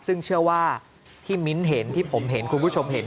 ซึ่งเชื่อว่าที่มิ้นท์เห็นที่ผมเห็นคุณผู้ชมเห็น